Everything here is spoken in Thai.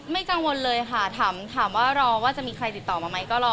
กังวลเลยค่ะถามว่ารอว่าจะมีใครติดต่อมาไหมก็รอ